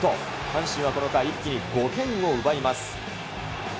阪神はこの回、一気に５点を奪います。